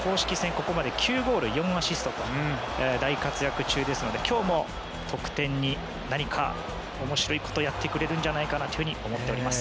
ここまで９ゴール４アシストと大活躍中ですので今日も得点に何か面白いことをやってくれるんじゃないかなと思っております。